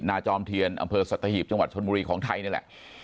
จอมเทียนอำเภอสัตหีบจังหวัดชนบุรีของไทยนี่แหละ